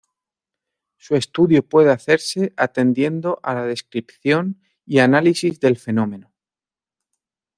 Su estudio puede hacerse atendiendo a la descripción y análisis del fenómeno.